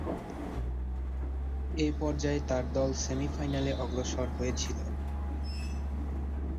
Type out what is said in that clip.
এ পর্যায়ে তার দল সেমি-ফাইনালে অগ্রসর হয়েছিল।